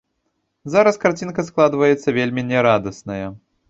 Зараз карцінка складваецца вельмі нярадасная.